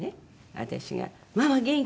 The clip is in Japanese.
私が「ママ元気？」